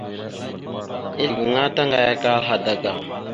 Ezle gaŋa taŋgayakal hadaga.